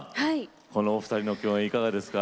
このお二人の共演いかがですか？